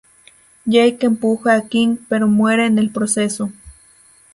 Jake empuja a King pero muere en el proceso.